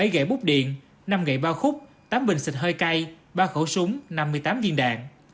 bảy gậy bút điện năm gậy bao khúc tám bình xịt hơi cay ba khẩu súng năm mươi tám viên đạn